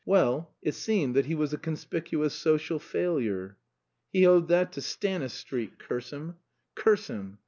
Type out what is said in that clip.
Well, it seemed that he was a conspicuous social failure. He owed that to Stanistreet, curse him! curse him!